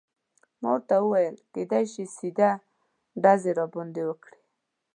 ما ورته وویل: کیدای شي سیده ډزې راباندې وکړي.